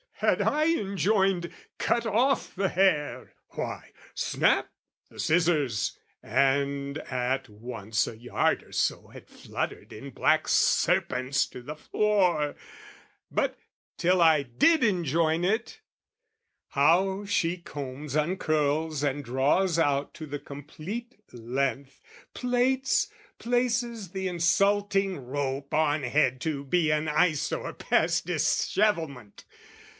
Had I enjoined "Cut off the hair!" why, snap The scissors, and at once a yard or so Had fluttered in black serpents to the floor: But till I did enjoin it, how she combs, Uncurls and draws out to the complete length, Plaits, places the insulting rope on head To be an eyesore past dishevelment!